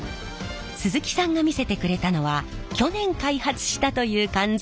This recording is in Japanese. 鈴木さんが見せてくれたのは去年開発したという缶詰。